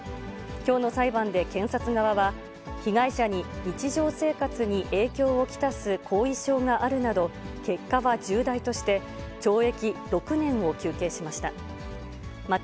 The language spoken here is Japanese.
きょうの裁判で検察側は、被害者に日常生活に影響を来す後遺症があるなど、結果は重大として、懲役６年を求刑しました。